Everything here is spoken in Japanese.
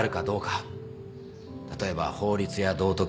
例えば法律や道徳。